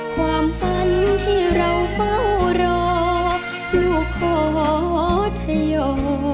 ความฝันที่เราเฝ้ารอลูกขอถยอยส่งคืน